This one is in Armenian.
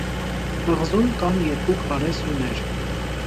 Կղզում կան երկու քարե սյուներ։